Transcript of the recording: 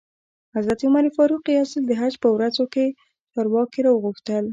حضرت عمر فاروق یو ځل د حج په ورځو کې چارواکي را وغوښتل.